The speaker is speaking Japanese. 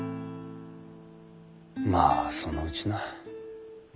まあそのうちな。